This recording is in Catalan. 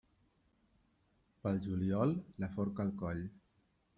Pel juliol, la forca al coll.